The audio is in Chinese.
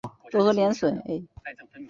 遴谙学务者充之。